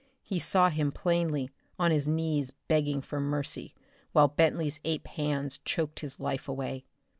He saw him plainly on his knees begging for mercy, while Bentley's ape hands choked his life away.